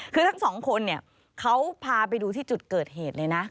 คือทั้งสองคนเนี่ยเขาพาไปดูที่จุดเกิดเหตุเลยนะ